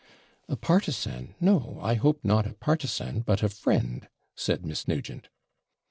'A partisan! no; I hope not a partisan, but a friend,' said Miss Nugent.